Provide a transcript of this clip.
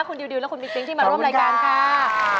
คุณดิวดิวและคุณมิ๊กซิ้งที่มาร่วมรายการค่ะขอบคุณค่ะ